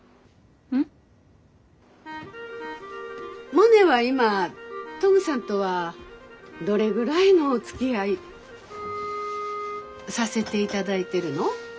モネは今トムさんとはどれぐらいのおつきあいさせていただいてるの？